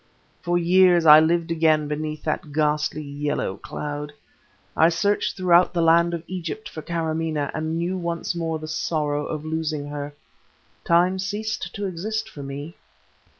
For years I lived again beneath that ghastly Yellow cloud. I searched throughout the land of Egypt for Kâramaneh and knew once more the sorrow of losing her. Time ceased to exist for me.